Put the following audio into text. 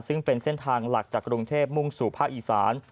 ซึ่งเป็นเส้นทางหลักจากกรุงเทพมุ่งสู่ภาคอีสาน